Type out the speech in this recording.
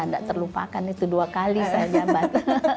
tidak terlupakan itu dua kali saja mbak